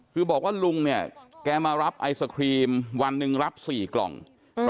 คือบอกว่าลุงเนี่ยแกมารับไอศครีมวันหนึ่งรับ๔กล่อง